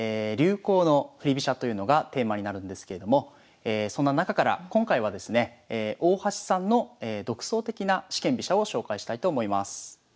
流行の振り飛車というのがテーマになるんですけれどもそんな中から今回はですね大橋さんの独創的な四間飛車を紹介したいと思います。